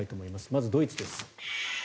まずドイツです。